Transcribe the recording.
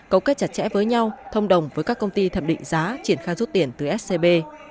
cấu kết chặt chẽ với nhau thông đồng với các công ty thẩm định giá triển khai rút tiền từ scb